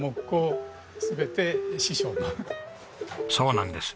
そうなんです。